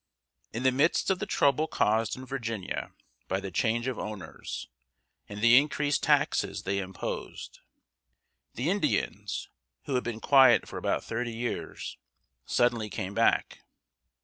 IN the midst of the trouble caused in Virginia by the change of owners, and the increased taxes they imposed, the Indians, who had been quiet for about thirty years, suddenly came back.